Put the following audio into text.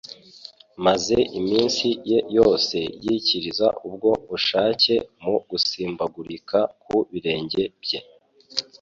maze imitsi ye yose yikiriza ubwo bushake. Mu gusimbagurikira ku birenge bye,